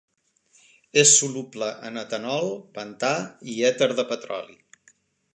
És soluble en etanol, pentà i èter de petroli.